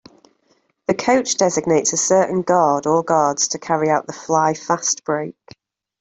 The coach designates a certain guard or guards to carry out the Fly fastbreak.